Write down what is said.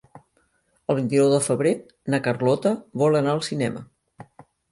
El vint-i-nou de febrer na Carlota vol anar al cinema.